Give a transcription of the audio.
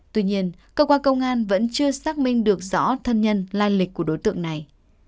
tuy nhiên cơ quan công an vẫn chưa xác minh được rõ thân nhân lai lịch của đối tượng này